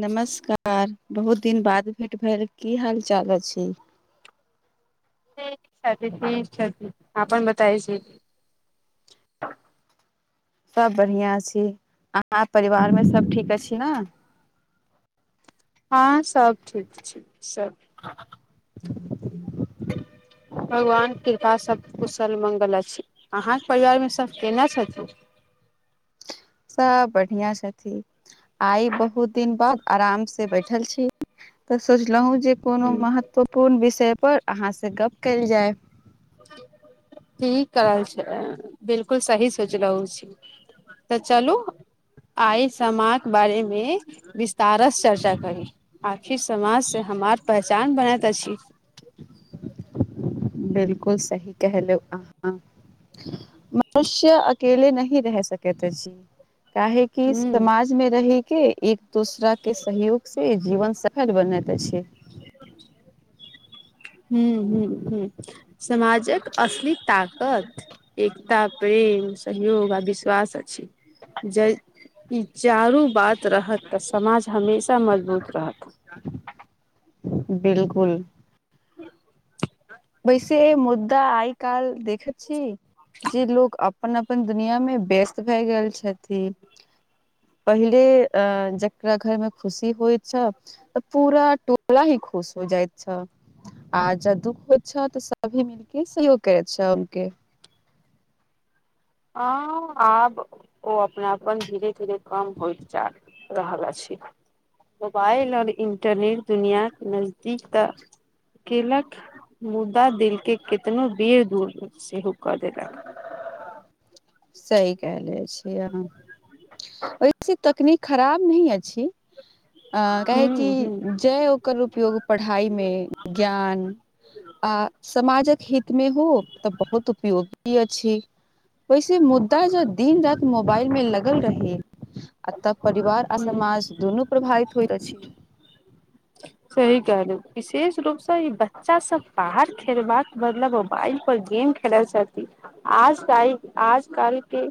नमस्कार बहुत दिन बाद भेट भेल, की हाल चाल अछि? ठीक छथि ठीक छथि आ अपन बतायै छी। सब बढ़िआँ छी। अहाँ परिवार मे सब ठीक अछि न? हँ सब ठीक छी सब, भगवान कृपा सब कुशल मङ्गल अछि। अहाँक परिवार मे सब केना छथि? सब बढ़िया छथि आइ बहुत दिन बाद आराम से बैठल छी। तऽ सोचलहु जे कोनो ह महत्वपूर्ण विषय पर अहाँ से गप कयल जाय। ठी करल छै बिलकुल सही सोचलहु छी। तऽ चलू। आइ समाज बारे मे विस्तारस चर्चा करी। आखिर समाज से हमार पहचान बनैत अछि। बिल्कुल सही केहलो आहाँ। मनुष्य अकेले नहि रह सकेत अछि काहे कि ह समाज मे रहै के एक दोसरा के सहयोग से जीवन सफल बनैत अछि। [inaudible] हूँ, हूँ, हूँ समाजक असली ताकत एकता, प्रेम, सहयोग आ विश्वास अछि। जे ई चारू बात रहत तऽ समाज हमेशा मजबूत रहत। बिल्कुल वैसे मुद्दा आय कैल देखै छी जे लोक अप अपन -अपन दुनिया मे व्यस्त भए गेल छथि। पहिले अं जेकरा घर में खुशी होइत छ तऽ पूरा टोला ही खुश हो जायत छल आ जब दुःख हो अच्छा तऽ सभी मिलके सहयोग करै [unintelligible] हँ आब ओ अपनापन धीरे -धीरे कम होयत जा रहल अछि। मोबाइल और इन्टरनेट दुनिया के नजदीक तऽ केलक मुद्दा दिल के कितनो बेर दूर सेहो क देलक। सही कहले छियै आहाँ ओहिसे तकनीक खराब नही अछि। अ हूं कहेैकि हूं जे ओकर उपयोग पढ़ाइमे ज्ञान आ समाजक हित मे हो तऽ बहुत उपयोगी अछि। ओैसे मुद त जे दिन रात मोबाइल में लगल रहै आ तब परिवार आ हूं समाज दुनू प्रभावित होइत अछि। सही कहलु विशेष रूपसँ ई बच्चा सब बाहर खेलबाक बदलब मोबाइल पर गेम खेलै जाती आज ता आज कल के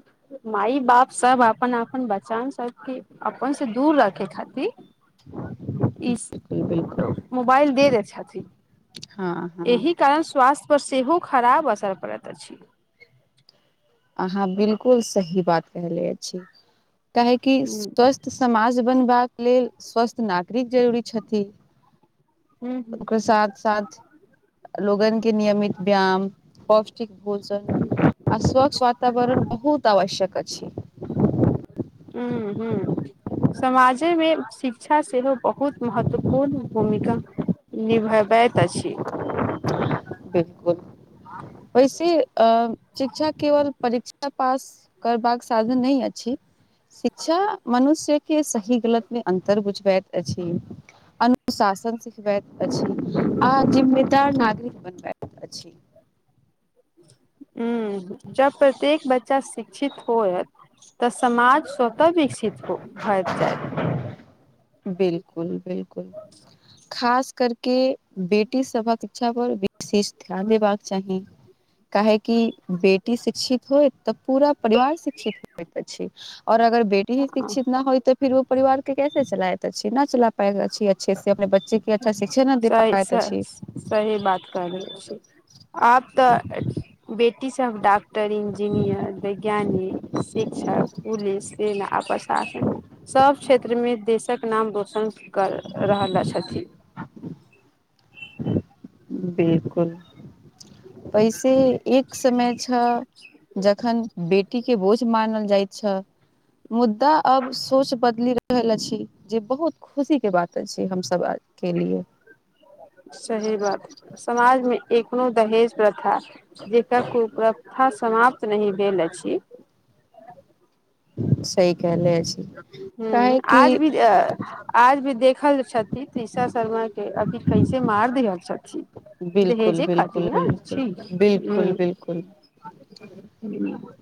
माय बाप सब अपन -अपन बचान सबके अपन से दूर रखे खातिर ई [unintelligible] मोबाइल दे देै छथिन। हँ हँ एहि कारण स्वास्थ्य पर सेहो खराब असर पड़त अछि। आहाँ बिल्कुल सही बात कहले अछि काहेकि ह स्वस्थ तऽ समाज बनबाक लेल स्वस्थ नागरिक जरूरी छथि। ह ओकर साथ -साथ लोगन के नियमित व्यायाम प ष्टिक भोजन आ स्वच्छ वातावरण बहुत आवश्यक अछि। हूँ, हूँ। समाजेमे शिक्षा सेहो बहुत महत्वपूर्ण भूमिका निभबैत अछि। वैसे अ शिक्षा केवल परीक्षा पास करबाक साधन नहि अछि। शिक्षा मनुष्य के सही गलत मे अन्तर बुझबैत अछि। अनुशासन सिखबैत अछि आ जिम्मेदार नागरिक बनबैत अछि। हूँ जब प्रत्येक बच्चा शिक्षित होयत। तऽ समाज स्वतः विकसित हो भइत जाइत। बिल्कुल -बिल्कुल खास करके बेटी सबक इच्छा पर चीज ध्यान देबाक चाही काहेकि बेटी शिक्षित होयत तऽ पूरा परिवार शिक्षित होइत अछि और अगर बेटी ही शिक्षित न होयत फिर ओ परिवार के कैस चलायत अछि न चलापायत अछि अच्छे से अपने- जे कि अच्छा शिक्षा न दे सही पायत अछि सही बात कहले अछि। आब तऽ बेटी सब डॉक्टर इंजीनियर वैज्ञानिक शिक्षक पुलिस सेना आ प्रशासन सब क्षेत्र मे देशक नाम रोशन कर रहल अछथि। बिलकुल पैसे एक समय छ जखन बेटी के बोझ मानल जाइत छल मुद्दा अब सोच बदलि रहल अछि। जे बहुत खुशीके बात अछि हमसब के लिए सही बात समाजमे एखनो दहेज प्रथा जेका कुप्र- कथा समाप्त नहि भेल अछि। सही कहले अछि। हूं काहे आज कि भी आज भी देखल छथि तृषा शर्मा के अभी कैसे मार दिहल छथि। बिलकुल दहेजे खातिर बिलकुल ने बिलकुल छी ह बिलकुल बिलकुल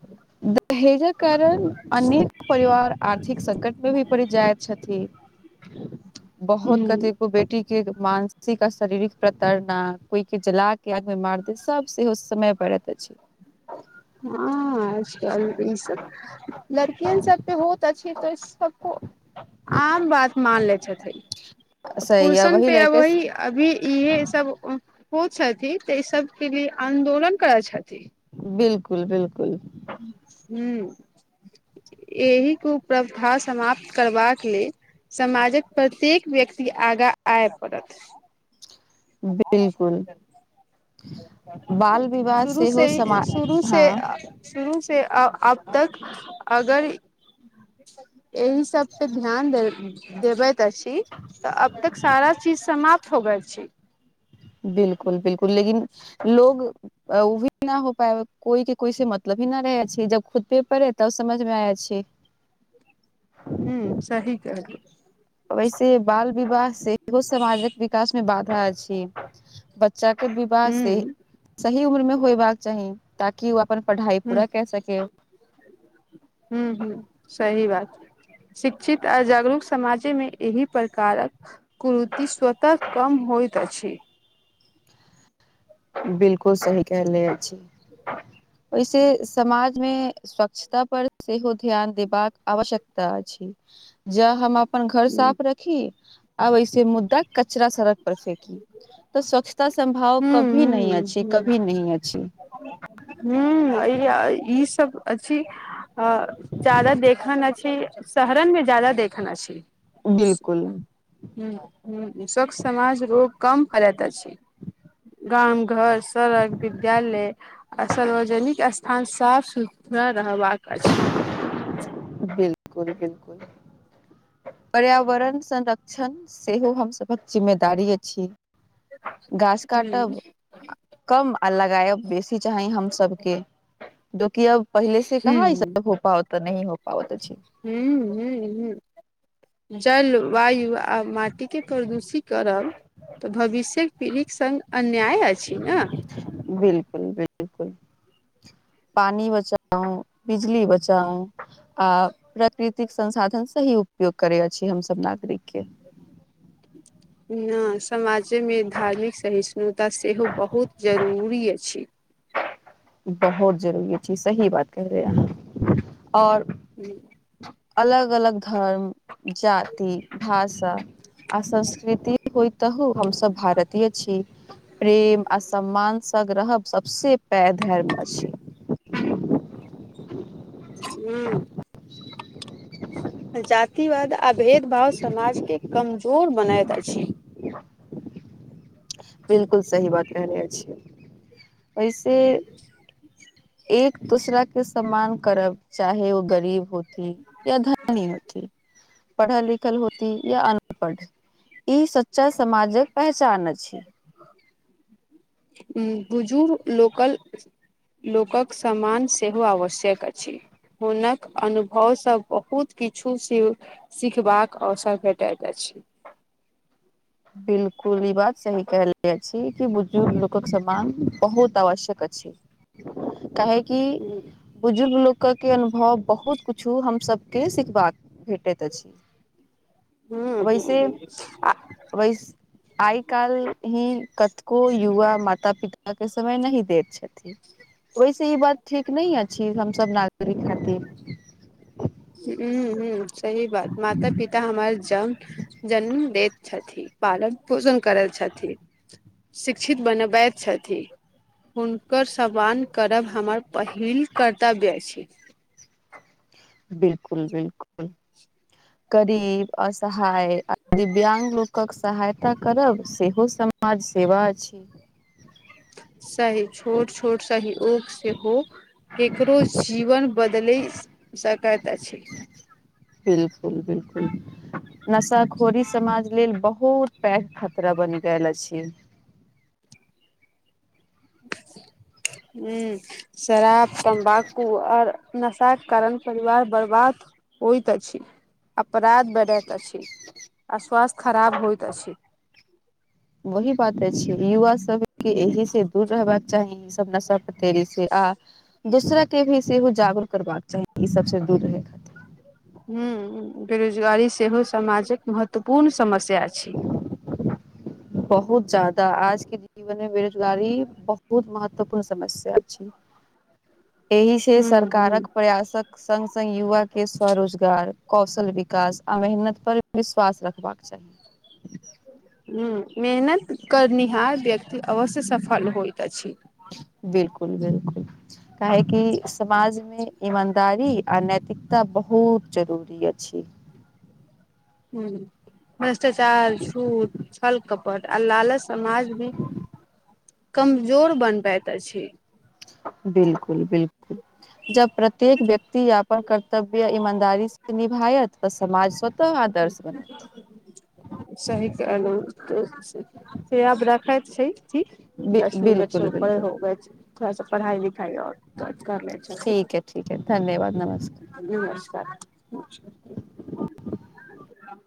[inaudible] [inaudible] दहेजक कारण अनेक परिवार आर्थिक संकट मे भी पड़ि जाइत छथि। बहोत ह कथ कोइ बेटीके मानसिक आ शारीरिक प्रतड़ना कोइके जला के आग में मार दे सब सेहो ओ समय परत अछि हँ ई सब लड़किय सब पे होत अछि त इ सबको आम बात मान ले छैथ सही य पुरषन वही पे लैके अबहि अभी इहे सब हो छथि तऽ ई सबके लिए आन्दोलन करै छथि बिलकुल बिलकुल हु एहि कुप्रथा समाप्त करबाक लेल समाजक प्रत्येक व्यक्ति आगा आय पड़त बिलकुल बाल विवाह शुरू सेहो से समा शुरू से हँ शुरू से अ अब तक अगर एहि सब पे ध्यान दे देबै अछि तऽ अब तक सारा चीज समाप्त हो गेल छी। बिलकुल बिलकुल लेकिन लोग अ‌ ओहि न हो पाय कोइ के कोइ से मतलब ही न रहै छै जब खुद पे पड़े तब समझ मे आय छी। ह्म सही कहलिये वैसे बाल विवाह से एगो समाजक विकास मे बाधा‌ अछि‌ ब च्चाके विवाह से सही उम्र मे होयबाक चाही ताकि ओ अपन पढ़ाइ पूरा कै सकै हू हू सही बात शिक्षित आ जागरूक समाजे मे एहि प्रकारक कुरीति स्वतः कम होइत अछि। बिलकुल सही कहले अछि ओहिसे समाज मे स्वच्छता पर सेहो ध्यान देबाक आवश्यकता अछि ज हम अपन घर साफ रखी, आब ऐसे मुद्दा कचरा सड़क पर फेेकी। तऽ स्वच्छता सम्भाव ह कभी नहि, ह अछि कभी नहि अछि। ह्म्म आई आ ई सब अछि। जादा देखन अछि, शहरन मे जदा देखन अछि। बिलकुल ह्म्म स्वच्छ समाज रोग कम फैलइत अछि। गाम, घर, सड़क, विद्यालय आ सार्वजनिक स्थान साफ सुथरा रहबाक अछि। बिलकुल बिलकुल पर्यावरण संरक्षण सेहो हम सभक जिम्मेदारी अछि। घास हूँ काटब कम अ लगायब बेसी। चाही हम सबके जोकी अब पहिले से कहां इ हूँ सब हो पवत हो [unintelligible] नहि हो पत हूँ-हूँ-हूँ। जल, वायु आ माटिके प्रदूषित करब। तऽ भविष्य्यक पीढ़ीके संग अन्याय अछि न। बिलकुल बिलकुल। पानी बचाउ बिजली बचाउ। आ प्राकृतिक संसाधन स ही उपयोग करे अछि हमसब नागरिक के। न समाजेमे धार्मिक सहिष्णुता सेहो बहुत जरूरी अछि। बहुत जरूरी छै, सही बात कर रहे अहाँ, और हूँ। अलग-अलग धर्म, जाति, भाषा। आ संस्कृति होइ तहु हमसभ भारतीय छी। प्रेम आ सम्मान संग रहब सभसँ पैघ धर्म अछि। ह्म्म जातिवाद आ भेदभाव समाजके कमजोर बनैत अछि। बिलकुल सही बात क रहले छियै ऐसे एक दूसरा के सम्मान करब चाहे ओ गरीब होखी या धनी होखी। पढ़ल लिखल होती या अनपढ़। ई सच्चा समाजक पहचान अछि। हूँ बुझु लोकल। लोकक सम्मान सेहो आवश्यक अछि। हुनक अनुभवसँ बहुत किछु स सिखबाक अवसर भेटैत अछि। बिलकुल ई बात सही कहले अछि, कि बुजुर्ग लोकक सम्मान बहुत आवश्यक अछि। काहे कि ह बुजुर्ग लोक कऽ के अनुभव बहुत किछो हमसभकेँ सिखबाक भेटैत अछि। [inaudible] हूँ- वैसे हूँ -हूँ आ- वैस आइ काल्हि ही कतको युवा माता पिता के समय नहि दैत छथि। ओहिस ई बात ठीक नहि अछि हमसब नागरिक खातिर। हूँ-हूँ सही बात माता पिता हमार जन जन्म देत। छथि पालन पोषण करै छथि शिक्षित बनबैत छथि। हुनकर सम्मान करब हमर पहिल कर्तव्य छी। बिल्कुल-बिल्कुल। गरीब असहाय आ दिव्यांग लोकक सहायता करब सेहो सम। समाज सेवा अछि। सही छुट छुट सहि ओक सेहो। केकरो जीवन बदलि सकायत अछि। बिल्कुल बिल्कुल नशाखोरी समाज लेल बहुत। पैघ खतरा बनि गेल अछि। हूँ शराब तम्बाकू आओर। नशाक कारण परिवार बर्बाद होइत अछि। अपराध बढ़ैत अछि, आ स्वास्थ्य खराब होइत अछि। वही बात अछि, युवा सब के एहि से दूर रहबाक चाही ई सब नशा। फेरी आ दूसरा के भी सेहो जागरूक करबाक चाही ई सबसँ दूर रहै। खातिर हूँ बेरोजगारी सेहो समाजक महत्वपूर्ण समस्या अछि। बहुत ज्यादा आजके। जीवन मे बेरोजगारी बहुत महत्वपूर्ण समस्या अछि। एहि से ह ह सरकारक प्रयासक। संग-संग युवाके स्वरोजगार कौशल विकास आ मेहनत पर विश्वास रखबाक चाही। [inaudible] ह मेहनत करनिहार व्यक्ति अवश्य सफल होइत अछि। बिलकुल-बिलकुल। काहेकि समाजमे ईमानदारी आओ नैतिकता बहुत जरूरी अछि। हूॅं भ्रष्टाचार सूट छल कप। प आ लाल समाज भी कमजोर बन पैत अछि। बिलकुल-बिलकुल जब प्रत्येक व्यक्ति य अपन कर्तव्य ईमानदारी से। निभायत व समाज स्वतः आदर्श बनत। त से आब रखैत छै, छी दस मिनट से बिलकुल ऊपर बिलकुल होग छै। थोड़ा सा पढ़ाइ लिखाइ आओर त कर लेचा छथि। ठीक है ठीक है धन्यवाद नमस्कार नमस्कार। ह।